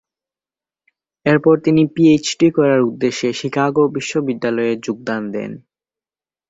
এরপর তিনি পিএইচডি করার উদ্দেশ্যে শিকাগো বিশ্ববিদ্যালয়ে যোগদান দেন।